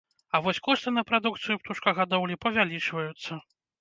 А вось кошты на прадукцыю птушкагадоўлі павялічваюцца.